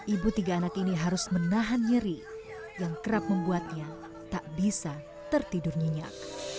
ibu tiga anak ini harus menahan nyeri yang kerap membuatnya tak bisa tertidur nyenyak